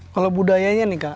kalau budayanya nih